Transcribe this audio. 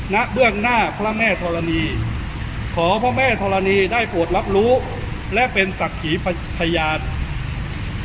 เบื้องหน้าพระแม่ธรณีขอพระแม่ธรณีได้โปรดรับรู้และเป็นศักดิ์ขีพยาน